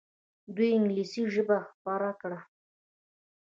دوی انګلیسي ژبه خپره کړه.